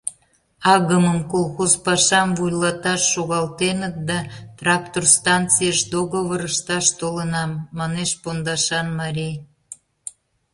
Агымым колхоз пашам вуйлаташ шогалтеныт да, трактор станцийыш договор ышташ толынам, — манеш пондашан марий.